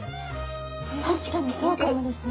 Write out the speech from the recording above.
確かにそうかもですね。